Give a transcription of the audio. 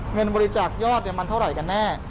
เงินบริจาคยอดมันเท่าไหร่กันแน่